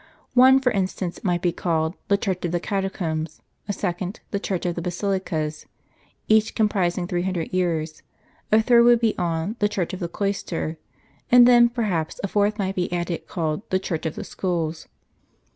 One, for instance, might be called " The Church of the Catacombs ;" a second, "The Church of the Basilicas;" each comprising three hundred years : a third would be on " The Church of the Cloister ;" and then, perhaps, a fourth might be added, called "The Church of the Schools."